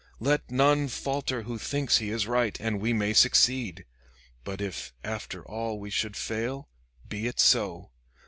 Let none falter who thinks he is right, and we may succeed. But if after all we should fail, be it so.